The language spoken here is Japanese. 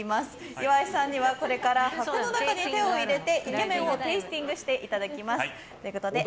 岩井さんにはこれから箱の中に手を入れてイケメンをテイスティングしていただきます。